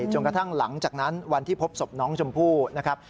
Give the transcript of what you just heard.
จนกระทั่งหลังจากนั้นวันที่พบศพน้องชมพู่นะครับ